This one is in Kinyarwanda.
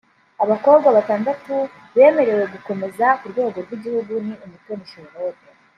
Abakobwa batandatu bemerewe gukomeza ku rwego rw’igihugu ni Umutoni Charlotte